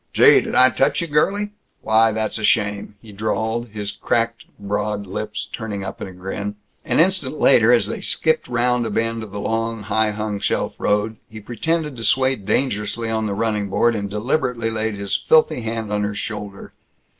"Gee, did I touch you, girlie? Why, that's a shame!" he drawled, his cracked broad lips turning up in a grin. An instant later, as they skipped round a bend of the long, high hung shelf road, he pretended to sway dangerously on the running board, and deliberately laid his filthy hand on her shoulder.